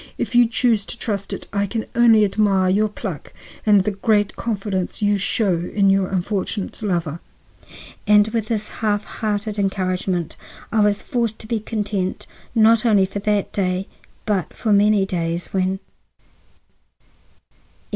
If you choose to trust to it, I can only admire your pluck and the great confidence you show in your unfortunate lover." And with this half hearted encouragement I was forced to be content, not only for that day, but for many days, when— XI.